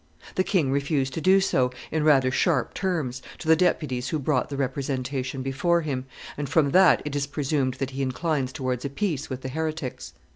The king refused to do so, in rather sharp terms, to the deputies who brought the representation before him, and from that it is presumed that he inclines towards a peace with the heretics.